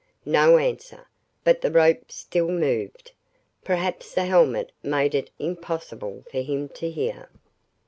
No answer. But the rope still moved. Perhaps the helmet made it impossible for him to hear.